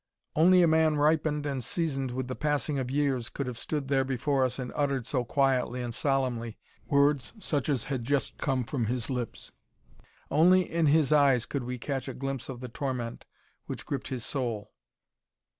Only a man ripened and seasoned with the passing of years could have stood there before us and uttered, so quietly and solemnly, words such as had just come from his lips. Only in his eyes could we catch a glimpse of the torment which gripped his soul.